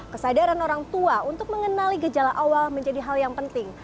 kesadaran orang tua untuk mengenali gejala awal menjadi hal yang penting